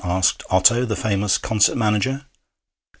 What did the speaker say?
asked Otto, the famous concert manager.